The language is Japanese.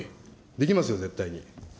できますよ、絶対に。